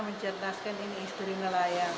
mencerdaskan ini istri nelayan